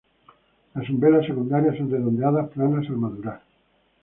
Las umbelas secundarias son redondeadas, planas al madurar.